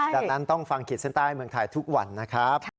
ดังนั้นต้องฟังขีดเส้นใต้เมืองไทยทุกวันนะครับ